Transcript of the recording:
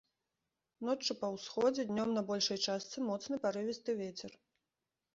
Ноччу па ўсходзе, днём на большай частцы моцны парывісты вецер.